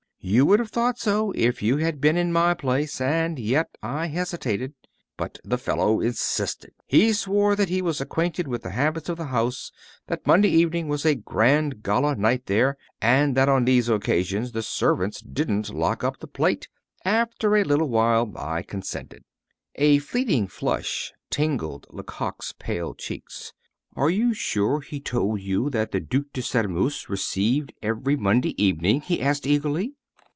You would have thought so, if you had been in my place, and yet I hesitated. But the fellow insisted. He swore that he was acquainted with the habits of the house; that Monday evening was a grand gala night there, and that on these occasions the servants didn't lock up the plate. After a little while I consented." A fleeting flush tinged Lecoq's pale cheeks. "Are you sure he told you that the Duc de Sairmeuse received every Monday evening?" he asked, eagerly.